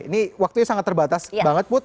ini waktunya sangat terbatas banget put